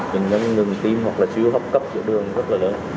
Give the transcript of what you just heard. bệnh nhân ngừng tiêm hoặc là sử dụng hấp cấp giữa đường rất là lớn